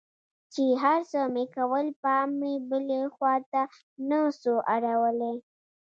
چې هرڅه مې کول پام مې بلې خوا ته نه سو اړولى.